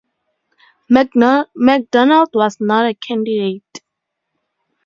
McDonald was not a candidate.